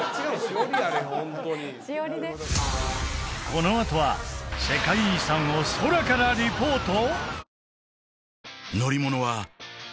このあとは世界遺産を空からリポート！？